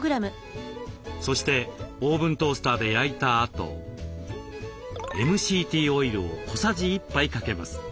そしてオーブントースターで焼いたあとＭＣＴオイルを小さじ１杯かけます。